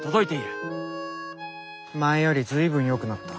前より随分よくなった。